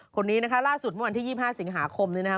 คนนี้นะคะล่าสุดเมื่อวันที่๒๕สิงหาคมนี้นะคะ